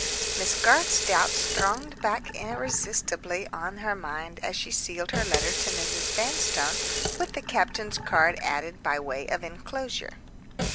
Miss Garth's doubts thronged back irresistibly on her mind as she sealed her letter to Mrs. Vanstone, with the captain's card added by way of inclosure.